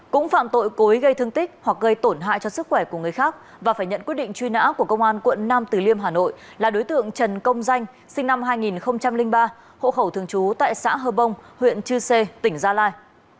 cũng phạm tội cối gây thương tích hoặc gây tổn hại cho sức khỏe của người khác và phải nhận quyết định truy nã của công an quận nam từ liêm hà nội là đối tượng trần công danh sinh năm hai nghìn ba hộ khẩu thường trú tại xã hơ bông huyện chư sê tỉnh gia lai